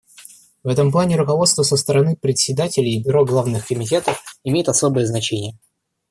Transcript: В этом плане руководство со стороны председателей и бюро главных комитетов имеет особое значение.